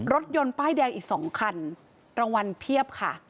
รถยนต์ป้ายแดงอีก๒คันรางวัลเพียบค่ะ